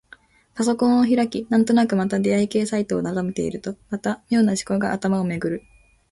パソコンを開き、なんとなくまた出会い系サイトを眺めているとまた、妙な思考が頭をめぐる。